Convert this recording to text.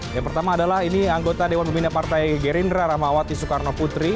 yang pertama adalah ini anggota dewan pembina partai gerindra ramawati soekarno putri